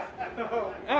ああ